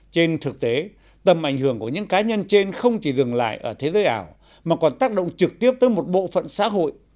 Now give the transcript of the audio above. trên thực tế tầm ảnh hưởng của những cá nhân trên không chỉ dừng lại ở thế giới ảo mà còn tác động trực tiếp tới một bộ phận xã hội